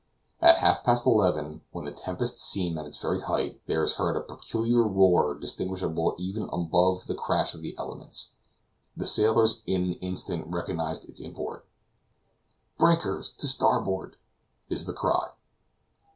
At half past eleven, when the tempest seems at its very height, there is heard a peculiar roar distinguishable even above the crash of the elements. The sailors in an instant recognize its import. "Breakers to starboard!" is the cry.